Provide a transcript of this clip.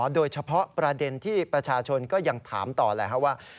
โดยเฉพาะประเด็นที่ประชาชนก็ยังถามต่อแหละว่า